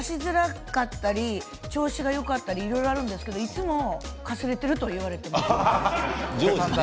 調子がよかったりいろいろ、あるんですがいつもかすれていると言われています。